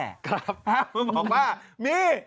ครับห้ามมาบอกว่ามี